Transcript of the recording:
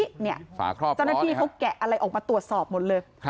เจ้าหน้าที่เขาแกะอะไรออกมาตรวจสอบหมดเลย